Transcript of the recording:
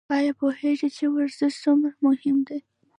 ایا پوهیږئ چې ورزش څومره مهم دی؟